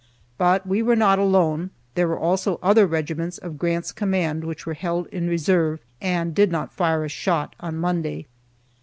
But we were not alone. There were also other regiments of Grant's command which were held in reserve and did not fire a shot on Monday.